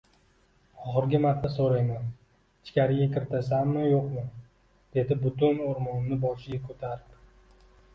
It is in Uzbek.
Oxirgi marta soʻrayman, ichkariga kiritasanmi-yoʻqmi? – dedi butun oʻrmonni boshiga koʻtarib.